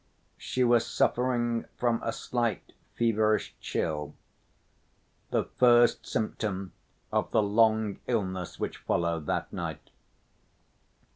She was suffering from a slight feverish chill—the first symptom of the long illness which followed that night.